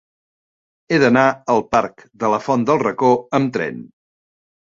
He d'anar al parc de la Font del Racó amb tren.